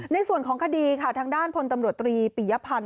ในส่วนของคดีค่ะทางด้านพลตำรวจตรีปิยพันธ์